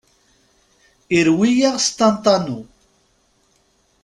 Irwi-yaɣ s ṭanṭanu!!